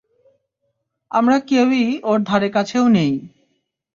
আমরা কেউই ওর ধারেকাছেও নেই!